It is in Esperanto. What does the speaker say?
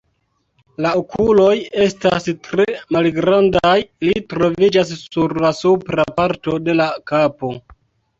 La okuloj estas tre malgrandaj, ili troviĝas sur la supra parto de la kapo.